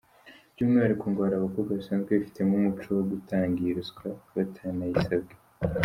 By’umwihariko ngo hari abakobwa basanzwe bifitemo umuco wo gutanga iyi ruswa batanayisabwe.